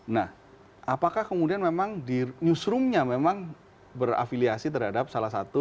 nah apakah kemudian memang di newsroomnya memang berafiliasi terhadap salah satu